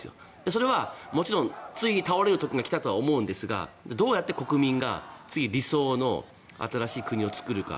それは、ついに倒れる時が来たとは思うんですがどうやって国民が次、理想の新しい国を作るか。